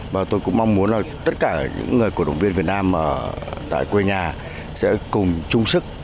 và tôi cũng mong muốn là tất cả những người cổ động viên việt nam ở tại quê nhà sẽ cùng chung sức